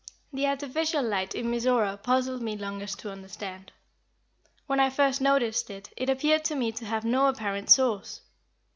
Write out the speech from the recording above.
The artificial light in Mizora puzzled me longest to understand. When I first noticed it, it appeared to me to have no apparent source.